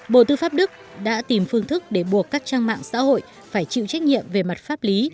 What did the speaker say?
bộ tư pháp đức đã tìm phương thức để buộc các trang mạng xã hội phải chịu trách nhiệm về mặt pháp lý